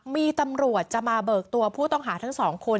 มีตำรวจจะมาเบิกตัวผู้ต้องหาทั้งสองคน